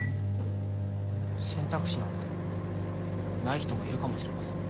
選択肢なんてない人もいるかもしれませんよ。